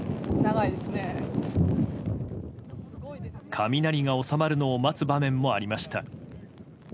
雷が収まるのを待つ場面もありました。